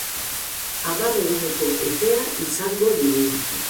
Hamar eguneko epea izango dugu.